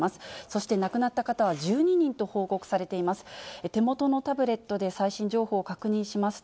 そして亡くなった方は１２人と報告されています。